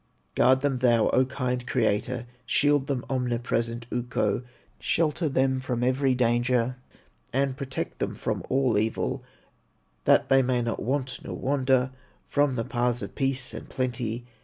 "Guard them, thou O kind Creator, Shield them, omnipresent Ukko, Shelter them from every danger, And protect them from all evil, That they may not want, nor wander From the paths of peace and plenty.